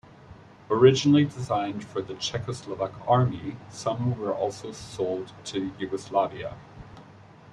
Originally designed for the Czechoslovak Army, some were also sold to Yugoslavia.